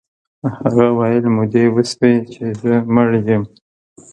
هغه ویل مودې وشوې چې زه مړ یم